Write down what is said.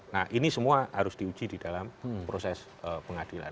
nah ini semua harus diuji di dalam proses pengadilan